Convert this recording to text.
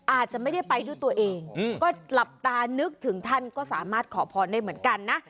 อาจจะไม่ได้ไปด้วยตัวเองก็หลับตานึกถึงท่านก็สามารถขอพรได้เหมือนกันนะ